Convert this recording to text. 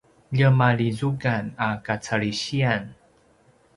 ljemalizukan a kacalisiyan